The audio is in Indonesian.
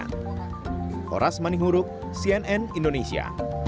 horas mani hurup cnn indonesia